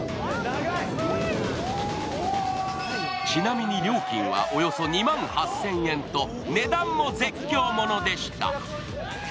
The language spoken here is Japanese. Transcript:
ちなみに料金はおよそ２万８０００円と値段も絶叫ものでした。